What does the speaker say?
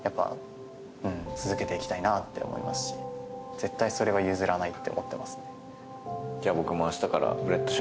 絶対それは譲らないって思ってます。